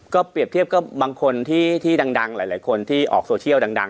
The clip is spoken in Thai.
ก็เปรียบเทียบก็บางคนที่ดังหลายคนที่ออกโซเชียลดัง